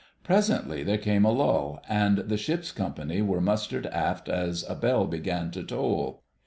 Presently there came a lull, and the ship's company were mustered aft as a bell began to toll.